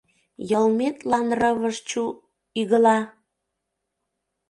Йылметлан рывыж чу...игыла!